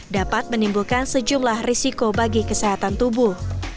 dapat menimbulkan sejumlah risiko bagi kesehatan tubuh